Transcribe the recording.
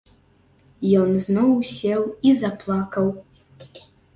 Ён зноў сеў і заплакаў.